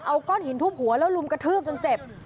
เอาก้อนหินทุบหัวแล้วลุมกระทืบจนเจ็บ